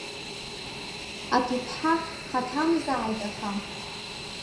Аҭыԥҳа, ҳаҭамзааит, аха.